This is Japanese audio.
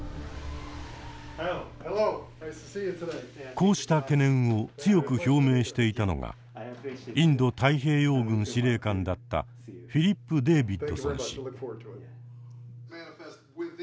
こうした懸念を強く表明していたのがインド太平洋軍司令官だったフィリップ・デービッドソン氏。